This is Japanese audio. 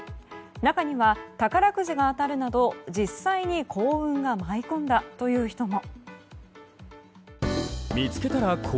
中には宝くじが当たるなど実際に幸運が舞い込んだという人も。